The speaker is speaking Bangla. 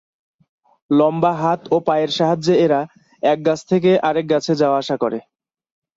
লম্বা হাত ও পায়ের সাহায্যে এরা এক গাছ থেকে আরেক গাছে যাওয়া-আসা করে।